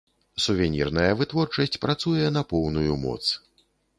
Сувенірная вытворчасць працуе на поўную моц.